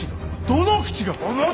どの口が！